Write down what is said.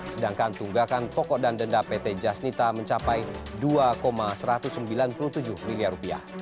sedangkan tunggakan pokok dan denda pt jasnita mencapai rp dua satu ratus sembilan puluh tujuh miliar